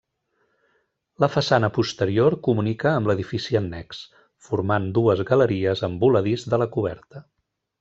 La façana posterior comunica amb l'edifici annex, formant dues galeries amb voladís de la coberta.